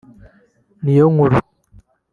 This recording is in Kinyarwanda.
Niyonkuru